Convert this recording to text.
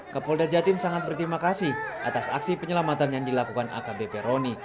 kapolda jatim sangat berterima kasih atas aksi penyelamatan yang dilakukan akbp roni